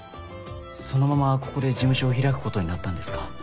そのままここで事務所を開くことになったんですか。